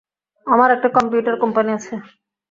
আমার একটা computer company আছে।